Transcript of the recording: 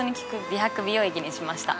美白美容液にしました。